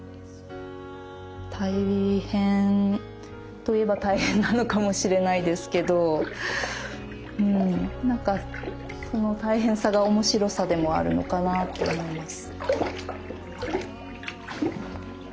大変と言えば大変なのかもしれないですけど何かその大変さが面白さでもあるのかなと思います。